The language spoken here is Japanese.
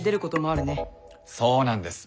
そうなんです。